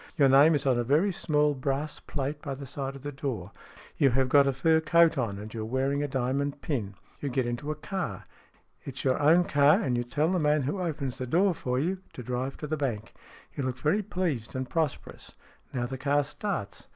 Your name is on a very small brass plate by the side of the door. You have got a fur coat on, and you are wearing a diamond pin. You get into a car. It is your own car, and you tell the man who opens the door for you to drive to the bank. You look very pleased and pros perous. Now the car starts.